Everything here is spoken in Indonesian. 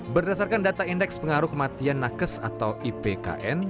berdasarkan data indeks pengaruh kematian nakes atau ipkn